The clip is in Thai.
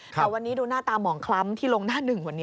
แต่วันนี้ดูหน้าตาหมองคล้ำที่ลงหน้าหนึ่งวันนี้